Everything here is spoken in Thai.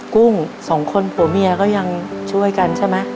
กุ้งสองคนผัวเมียก็ยังช่วยกันใช่ไหม